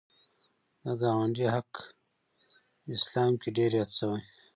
د ګاونډي حق اسلام کې ډېر یاد شوی